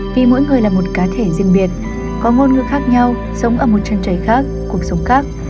vì mỗi người là một cá thể riêng biệt có ngôn ngữ khác nhau sống ở một chàng trai khác cuộc sống khác